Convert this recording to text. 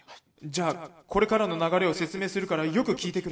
じゃあこれからの流れを説明するからよく聞いてくれ」。